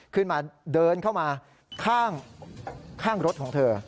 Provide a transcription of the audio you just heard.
ขึ้นมาเดินเข้ามาข้างรถของเธอ